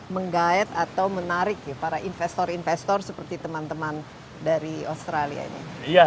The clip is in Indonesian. menggayat atau menarik para investor investor seperti teman teman dari australia ini